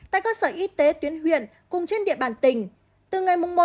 tại cơ sở y tế tuyến huyện cùng trên địa bàn tỉnh